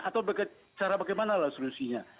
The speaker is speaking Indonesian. atau bagaimana lah solusinya